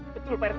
betul pak rt